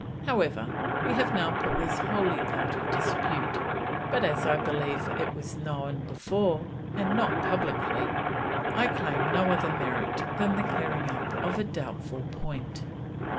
However, we have now put this wholly out of dispute; but as I believe it was known before, but not publickly, I claim no other merit than the clearing up of a doubtful point."